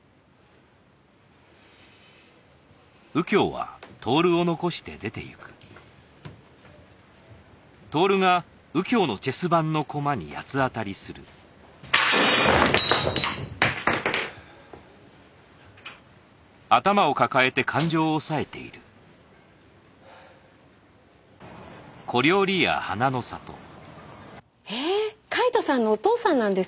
カイトさんのお父さんなんですか？